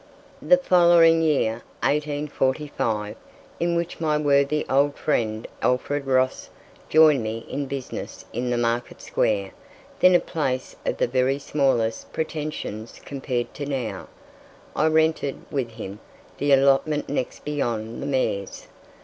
The following year, 1845, in which my worthy old friend Alfred Ross joined me in business in the Market square, then a place of the very smallest pretensions compared to now, I rented, with him, the allotment next beyond the Major's.